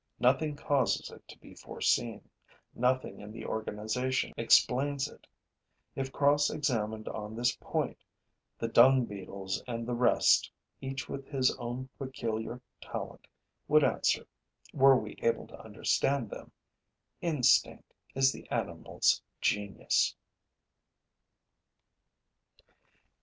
Nothing causes it to be foreseen, nothing in the organization explains it. If cross examined on this point, the Dung beetles and the rest, each with his own peculiar talent, would answer, were we able to understand them: 'Instinct is the animal's genius.'